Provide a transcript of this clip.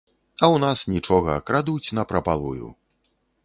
А ў нас нічога, крадуць напрапалую.